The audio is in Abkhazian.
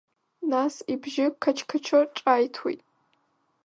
Нас, ибжьы қачқачо ҿааиҭуеит.